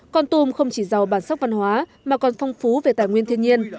con tum không chỉ giàu bản sắc văn hóa mà còn phong phú về tài nguyên thiên nhiên